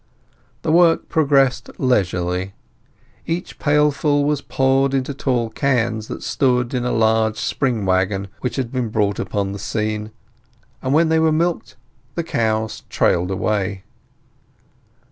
The work progressed leisurely. Each pailful was poured into tall cans that stood in a large spring waggon which had been brought upon the scene; and when they were milked, the cows trailed away.